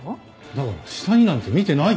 だから下になんて見てないって！